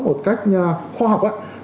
một cách khoa học